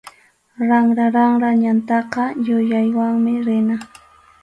Ranraranra ñantaqa yuyaywanmi rina.